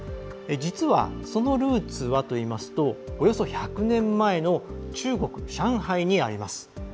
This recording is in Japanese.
実は、そのルーツはといいますとおよそ１００年前の中国・上海にあります。